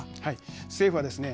政府はですね